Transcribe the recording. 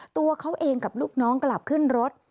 ตัวเขาเองกับลูกน้องกลับขึ้นรถ